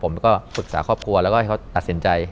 ผมก็ปรึกษาครอบครัวแล้วก็ให้เขาตัดสินใจ